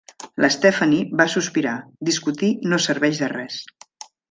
La Stephanie va sospirar; discutir no serveix de res.